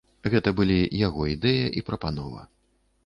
Гэта былі яго ідэя і прапанова.